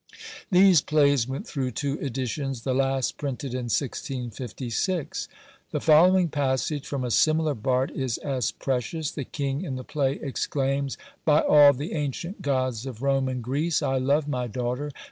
These plays went through two editions: the last printed in 1656. The following passage from a similar bard is as precious. The king in the play exclaims, By all the ancient gods of Rome and Greece, I love my daughter!